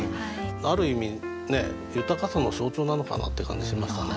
ある意味ね豊かさの象徴なのかなって感じしましたね。